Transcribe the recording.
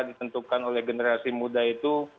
ditentukan oleh generasi muda itu